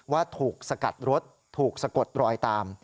ว่าถูกสกัดรถถูกสะกดรอยตาม